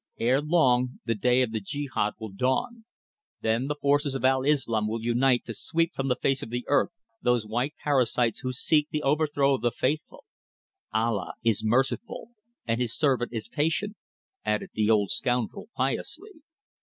Ere long, the day of the Jehad will dawn; then the forces of Al Islâm will unite to sweep from the face of the earth those white parasites who seek the overthrow of the Faithful. Allah is merciful, and his servant is patient," added the old scoundrel piously.